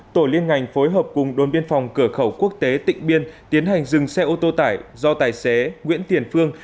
tổ liên ngành phối hợp cùng đồn biên phòng cửa khẩu quốc tế tịnh biên tiến hành dừng xe ô tô tải do tài xế nguyễn tiền phương